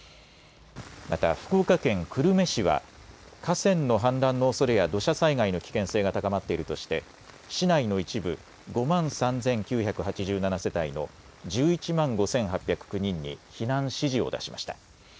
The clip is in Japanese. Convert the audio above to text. また福岡県久留米市は河川の氾濫のおそれや土砂災害の危険性が高まっているとして市内の一部５万３９８７世帯の１１万５８０９人に避難指示を出しました。